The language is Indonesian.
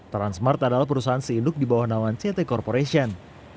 transmart adalah perusahaan seinduk di bawah naungan ct corporation